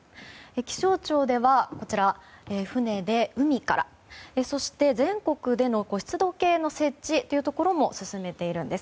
気象庁では、船で海からそして全国での湿度計の設置というところも進めているんです。